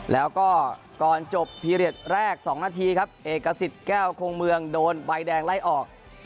แล้วก็ก่อนจบพีเรียสแรก๒นาทีครับเอกสิทธิ์แก้วคงเมืองโดนใบแดงไล่ออก